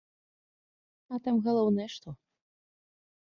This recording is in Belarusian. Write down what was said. А там галоўнае што?